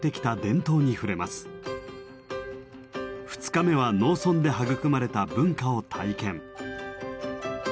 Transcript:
２日目は農村で育まれた文化を体験。